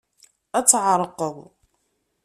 Ad tɛerqeḍ.